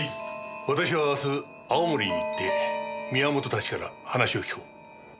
私は明日青森に行って宮本たちから話を聞こう。